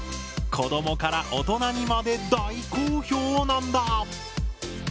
子どもから大人にまで大好評なんだ！